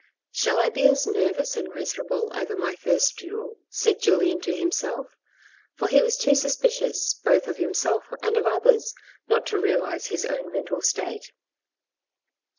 "Shall I be as nervous and miserable over my first duel? " said Julien to himself; for he was too suspicious both of him self and of others, not to realise his own mental state.